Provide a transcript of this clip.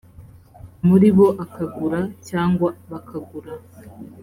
muri bo akagura cyangwa bakagura